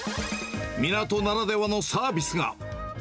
港ならではのサービスが。